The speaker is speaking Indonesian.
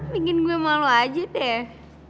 bikin gue malu aja deh